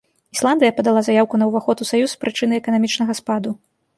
Ісландыя падала заяўку на уваход ў саюз з прычыны эканамічнага спаду.